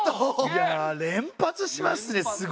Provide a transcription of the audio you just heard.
いや連発しますねすごいな。